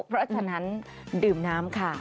เพราะฉะนั้นดื่มน้ำค่ะ